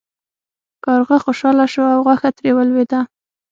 کارغه خوشحاله شو او غوښه ترې ولویده.